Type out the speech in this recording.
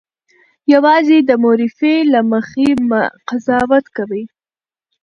یوازې د مورفي له مخې مه قضاوت کوئ.